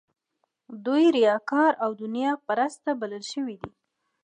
دوی ریاکار او دنیا پرسته بلل شوي دي.